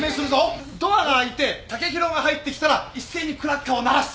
ドアが開いて剛洋が入ってきたら一斉にクラッカーを鳴らす。